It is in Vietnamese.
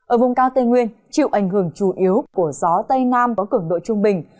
ở vùng cao tây nguyên chịu ảnh hưởng chủ yếu của gió tây nam có cường độ trung bình